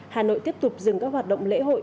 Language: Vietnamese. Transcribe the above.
hà nội tiếp tục dừng các hoạt động lễ hội